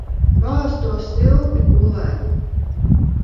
Bāz to svilpi kulē.